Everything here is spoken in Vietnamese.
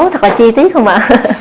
thật là chi tiết không ạ